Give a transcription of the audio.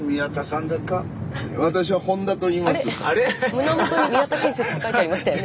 胸元に宮田建設って書いてありましたよね。